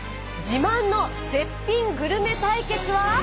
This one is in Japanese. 自慢の絶品グルメ対決は。